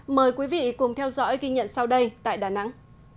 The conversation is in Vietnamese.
mời quý vị cùng theo dõi ghi nhận sau đây tại đà nẵng